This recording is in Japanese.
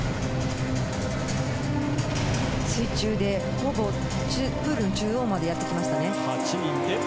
水中で、プールのほぼ中央までやってきました。